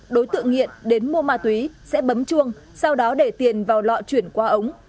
đối tượng nghiện đến mua ma túy sẽ bấm chuông sau đó để tiền vào lọ chuyển qua ống